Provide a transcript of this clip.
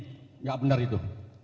tidak benar itu